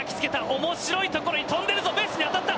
おもしろいところに飛んでいるぞベースに当たった。